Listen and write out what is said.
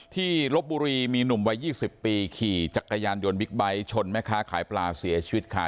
ลบบุรีมีหนุ่มวัย๒๐ปีขี่จักรยานยนต์บิ๊กไบท์ชนแม่ค้าขายปลาเสียชีวิตค่ะ